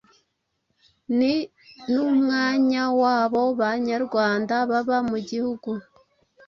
Ni n'umwanya wabo Banyarwanda baba mu gihugu